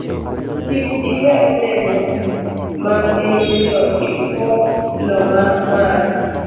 Kik iwe olemo mapiny to iponoma malo